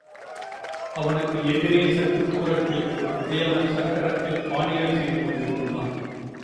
அவனுக்கு எதிரே சற்று தூரத்தில், ஒரு குயவன் சக்கரத்தில் பானைகள் செய்து கொண்டிருந்தான்.